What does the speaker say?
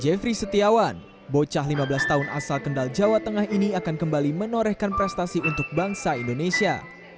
jeffrey setiawan bocah lima belas tahun asal kendal jawa tengah ini akan kembali menorehkan prestasi untuk bangsa indonesia